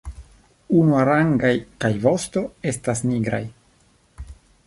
Unuarangaj kaj vosto estas nigraj.